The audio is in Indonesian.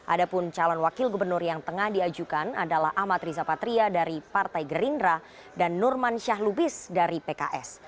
ada pun calon wakil gubernur yang tengah diajukan adalah ahmad riza patria dari partai gerindra dan nurman syahlubis dari pks